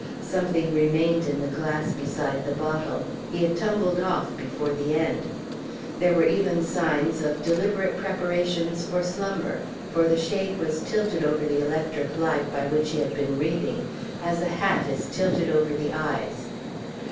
Something remained in the glass beside the bottle; he had tumbled off before the end. There were even signs of deliberate preparations for slumber, for the shade was tilted over the electric light by which he had been reading, as a hat is tilted over the eyes.